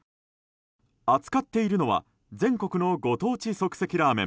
扱っているのは全国のご当地即席ラーメン